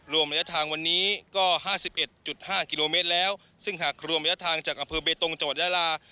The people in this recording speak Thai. รวมระยะทางวันนี้ก็๕๑๕กิโลเมตรแล้วซึ่งหากรวมระยะทางจากอำเภอเบตงจังหวัดยาลา